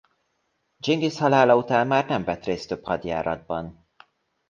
Dzsingisz halála után már nem vett részt több hadjáratban.